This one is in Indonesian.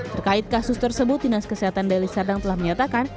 terkait kasus tersebut dinas kesehatan deli serdang telah menyatakan